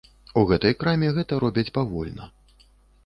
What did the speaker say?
У гэтай краме гэта робяць павольна.